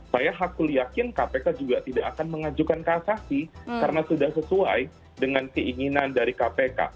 saya aku yakin kpk juga tidak akan mengajukan kasasi karena sudah sesuai dengan keinginan dari kpk